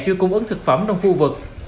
chuyên cung ứng thực phẩm trong khu vực